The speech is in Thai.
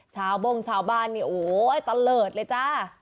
ชาวบ้งชาวบ้านโอ้โหตะเลิศเลยจ้า